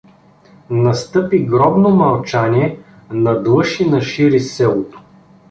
Настъпи гробно мълчание надлъж и нашир из селото.